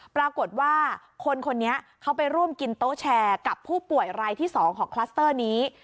ปรากฏว่าคนคนนี้เขาไปร่วมกินโต๊ะแชร์กับผู้ป่วยรายที่๒ของคลัสเตอร์นี้